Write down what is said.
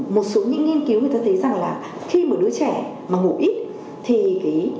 một số những nghiên cứu người ta thấy rằng là khi mà đứa trẻ mà ngủ ít thì cái